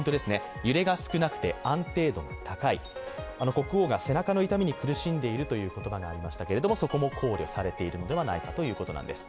国王が背中の痛みに苦しんでいるという言葉がありましたけどそこも考慮されているのではないかということです。